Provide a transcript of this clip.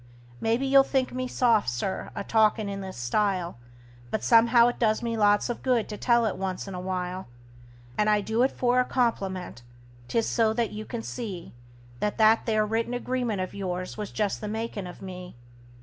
Maybe you'll think me soft, Sir, a talkin' in this style, But somehow it does me lots of good to tell it once in a while; And I do it for a compliment 'tis so that you can see That that there written agreement of yours was just the makin' of me.